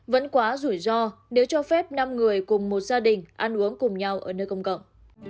vẫn quá rủi ro nếu cho phép năm người cùng một gia đình ăn uống cùng nhau ở nơi công cộng